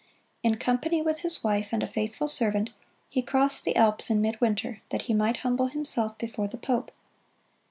In company with his wife and a faithful servant, he crossed the Alps in midwinter, that he might humble himself before the pope.